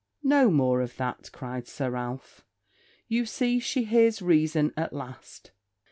'No more of that,' cried Sir Ralph; 'you see she hears reason at last.'